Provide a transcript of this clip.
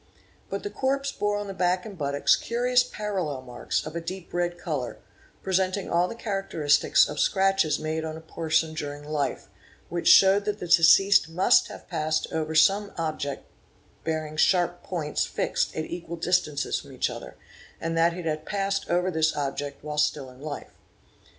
But the corpse bore on the | back and buttocks curious parallel marks of a deep red colour, present ing all the characteristics of scratches made on a person during life, which showed that the deceased must have passed over some object bearing sharp points fixed at equal distances from each other, and that it had passed over this object while still in life.